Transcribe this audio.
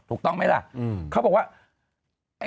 ถูกต้องไหมล่ะเขาบอกว่า